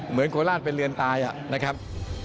เหมือนโคลาศเป็นเรือนตายนะครับ